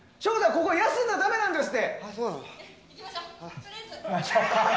ここ休んだらダメなんですって！